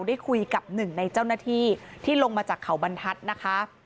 ได้คุยกับหนึ่งในเจ้าหน้าที่ที่ลงมาจากเขาบรรทัศน์นะคะ